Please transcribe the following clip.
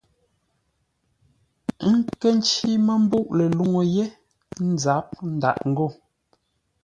Ə́ nkə́ ncí mə́ mbûʼ ləluŋú yé ńzáp ńdâʼ ngô.